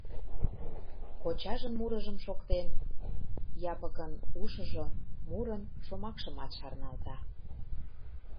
Кочажын мурыжым шоктен, Япыкын ушыжо мурын шомакшымат шарналта: